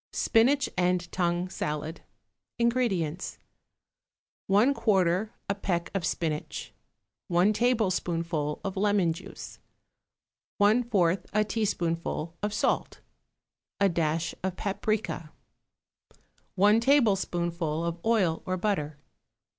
=Spinach and Tongue Salad.= INGREDIENTS. 1/4 a peck of spinach. 1 tablespoonful of lemon juice. 1/4 a teaspoonful of salt. A dash of paprica. 1 tablespoonful of oil or butter.